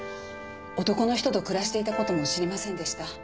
男の人と暮らしていた事も知りませんでした。